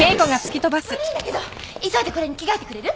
悪いんだけど急いでこれに着替えてくれる？